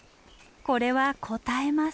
これはこたえます。